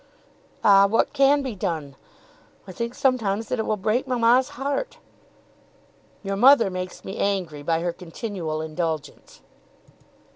"Ah, what can be done? I think sometimes that it will break mamma's heart." "Your mother makes me angry by her continual indulgence."